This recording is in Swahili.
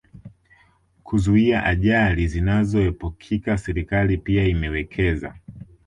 kuzuia ajali zinazoepukika Serikali pia imewekeza